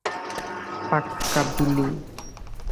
পাক্কা, বিলি।